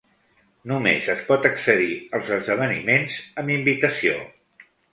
Només es pot accedir als esdeveniments amb invitació.